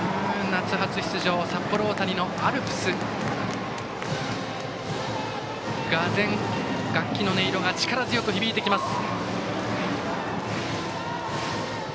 夏初出場の札幌大谷のアルプスではがぜん、楽器の音色が力強く響いてきます。